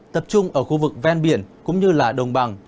tập trung ở khu vực ven biển cũng như là đồng bằng